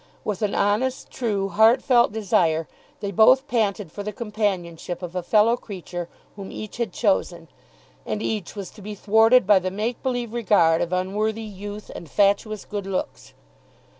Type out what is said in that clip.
With an honest, true, heart felt desire they both panted for the companionship of a fellow creature whom each had chosen. And each was to be thwarted by the make believe regard of unworthy youth and fatuous good looks!